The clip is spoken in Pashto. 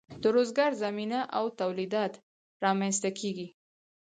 د روزګار زمینه او تولیدات رامینځ ته کیږي.